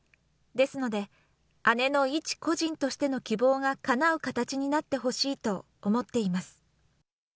ですので、姉の一個人としての希望がかなう形になってほしいと思っています。